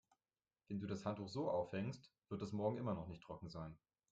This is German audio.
Wenn du das Handtuch so aufhängst, wird es morgen immer noch nicht trocken sein.